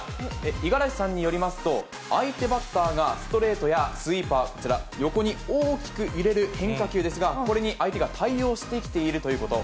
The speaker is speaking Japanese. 五十嵐さんによりますと、相手バッターがストレートやスイーパー、こちら、横に大きく揺れる変化球ですが、これに相手が対応してきているということ。